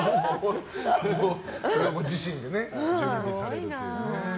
それをご自身で準備されるという。